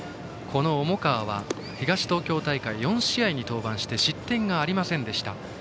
重川は東東京大会４試合に登板して失点がありませんでした。